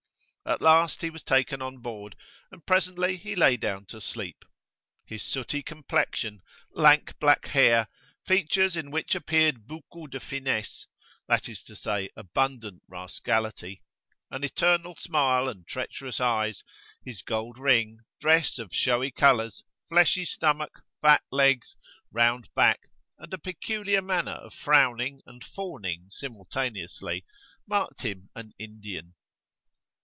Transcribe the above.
At last he was taken on board, and presently he lay down to sleep. His sooty complexion, lank black hair, features in which appeared beaucoup de finesse, that is to say, abundant rascality, an eternal smile and treacherous eyes, his gold[FN#6] ring, dress [p.35]of showy colours, fleshy stomach, fat legs, round back, and a peculiar manner of frowning and fawning simultaneously, marked him an Indian.